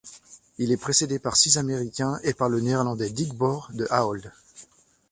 Il est précédé par six Américains et par le Néerlandais Dick Boer de Ahold.